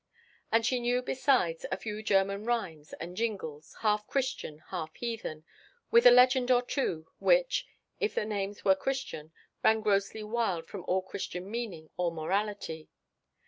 And she knew besides a few German rhymes and jingles, half Christian, half heathen, with a legend or two which, if the names were Christian, ran grossly wild from all Christian meaning or morality.